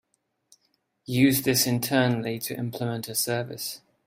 Use this internally to implement a service.